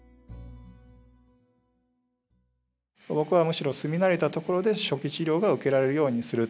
僕はむしろ住み慣れた所で初期治療が受けられるようにする。